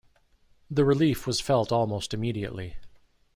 The relief was felt almost immediately.